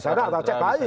eh ya sudah kita cek lagi